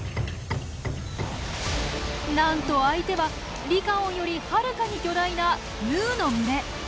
なんと相手はリカオンよりはるかに巨大なヌーの群れ！